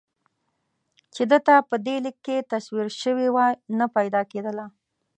چې ده ته په دې لیک کې تصویر شوې وای نه پیدا کېدله.